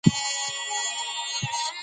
فقره د متن مانا پیاوړې کوي.